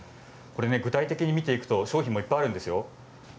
具体的に見ていくと商品もいっぱいあるんです。